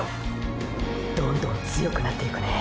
どんどん強くなっていくね